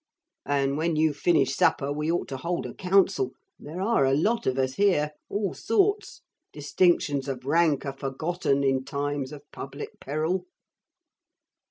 And when you've finished supper we ought to hold a council. There are a lot of us here. All sorts. Distinctions of rank are forgotten in times of public peril.'